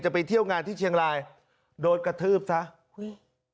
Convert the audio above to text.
ไปเที่ยวงานที่เชียงรายโดนกระทืบซะอุ้ย